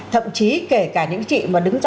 thậm chí kể cả những chị